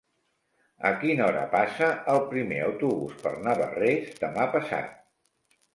A quina hora passa el primer autobús per Navarrés demà passat?